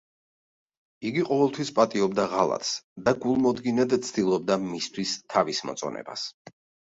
იგი ყოველთვის პატიობდა ღალატს და გულმოდგინედ ცდილობდა მისთვის თავის მოწონებას.